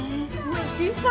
おいしいさ。